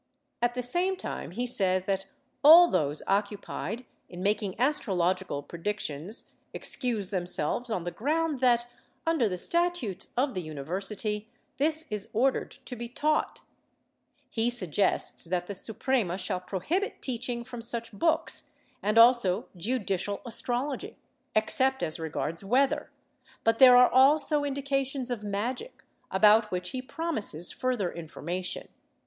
At the same time he says that all those occu pied in making astrological predictions excuse themselves on the ground that, under the statutes of the university, this is ordered to be taught ; he suggests that the Suprema shall prohibit teaching from such books, and also judicial astrology, except as regards weather, but there are also indications of magic, about which he promises further information.